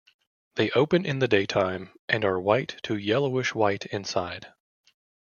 They open in the daytime and are white to yellowish white inside.